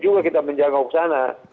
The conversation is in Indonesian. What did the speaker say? dua kita menjangkau ke sana